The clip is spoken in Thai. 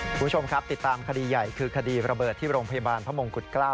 คุณผู้ชมครับติดตามคดีใหญ่คือคดีระเบิดที่โรงพยาบาลพระมงกุฎเกล้า